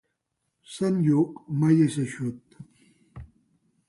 Sant Lluc mai és eixut.